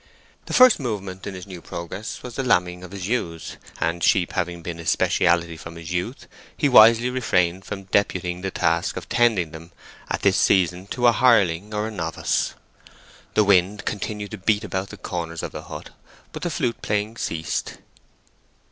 The first movement in his new progress was the lambing of his ewes, and sheep having been his speciality from his youth, he wisely refrained from deputing the task of tending them at this season to a hireling or a novice. The wind continued to beat about the corners of the hut, but the flute playing ceased.